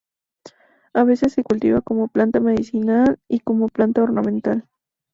A veces se cultiva como planta medicinal y como planta ornamental.